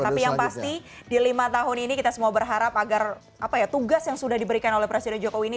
tapi yang pasti di lima tahun ini kita semua berharap agar tugas yang sudah diberikan oleh presiden jokowi ini